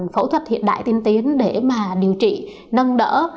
phẫu thuật hiện đại tiên tiến để mà điều trị nâng đỡ